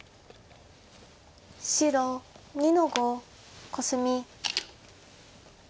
白２の五コスミ。